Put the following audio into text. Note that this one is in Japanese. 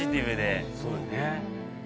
そうよね。